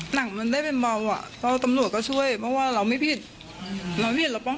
หนักมันได้เป็นบอกว่าตำรวจก็ช่วยเพราะว่าเราไม่ผิดเรามีป้อง